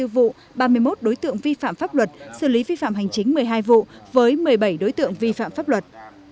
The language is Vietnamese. hai mươi vụ ba mươi một đối tượng vi phạm pháp luật xử lý vi phạm hành chính một mươi hai vụ với một mươi bảy đối tượng vi phạm pháp luật